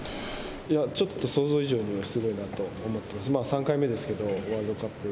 いや、ちょっと想像以上にすごいなと思っていますし、３回目ですけど、ワールドカップ。